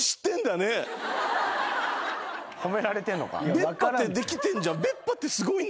「べっぱ」ってできてんじゃん。